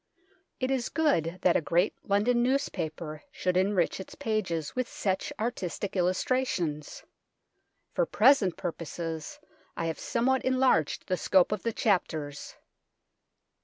It is good that a great London newspaper sh6uld enrich its pages with such artistic illustrations. For present purposes I have somewhat enlarged the scope of the chapters.